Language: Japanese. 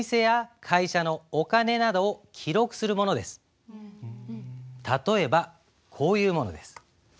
帳簿とは例えばこういうものです。